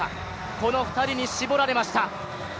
この２人に絞られました。